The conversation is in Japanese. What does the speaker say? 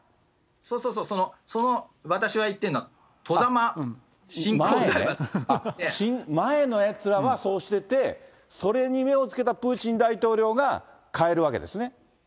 そうそうそう、私が言ってるのは、前のやつらはそうしてて、それに目をつけたプーチン大統領が変えるわけですね。